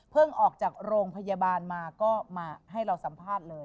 ออกจากโรงพยาบาลมาก็มาให้เราสัมภาษณ์เลย